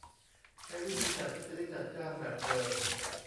ใช้วิธีจัดซื้อจัดจ้างแบบเดิม